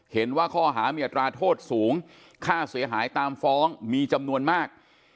เห็นว่าข้อหามีอัตราโทษสูงค่าเสียหายตามฟ้องมีจำนวนมาก